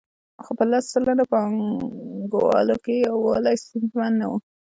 خو په لس سلنه پانګوالو کې یووالی ستونزمن نه وو